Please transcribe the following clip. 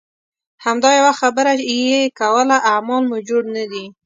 همدا یوه خبره یې کوله اعمال مو جوړ نه دي.